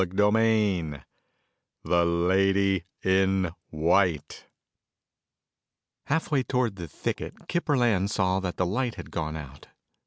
CHAPTER VI The Lady In White Half way toward the thicket, Kip Burland saw that the light had gone out.